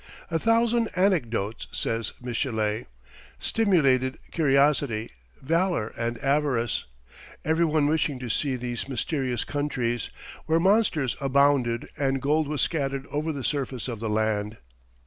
"A thousand anecdotes," says Michelet, "stimulated curiosity, valour and avarice, every one wishing to see these mysterious countries where monsters abounded and gold was scattered over the surface of the land."